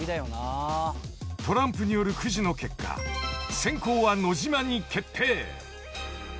［トランプによるくじの結果先攻は野島に決定］